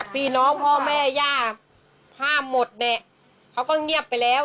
พี่น้องพ่อแม่ย่าห้ามหมดเนี่ยเขาก็เงียบไปแล้ว